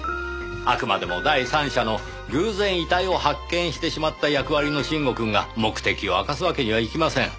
あくまでも第三者の偶然遺体を発見してしまった役割の臣吾くんが目的を明かすわけにはいきません。